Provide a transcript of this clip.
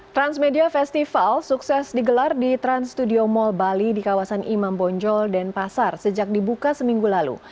transmedia festival sukses digelar di trans studio mall bali di kawasan imam bonjol dan pasar sejak dibuka seminggu lalu